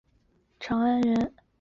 长安人。